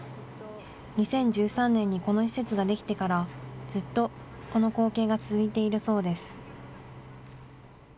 ２０１３年にこの施設が出来てからずっとこの光景が続いているそうです。